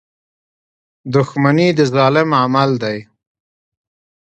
• دښمني د ظالم عمل دی.